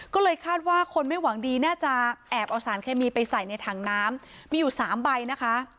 ก็เลยคาดว่าคนไม่หวังดีน่าจะแอบเอาสารเคมีไปใส่ในถังน้ำมีอยู่๓ใบนะคะ